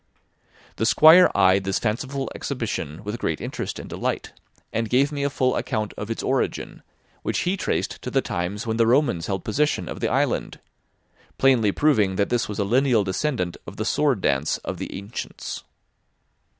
The Squire eyed this fanciful exhibition with great interest and delight, and gave me a full account of its origin, which he traced to the times when the Romans held possession of the island; plainly proving that this was a lineal descendant of the sword dance of the ancients.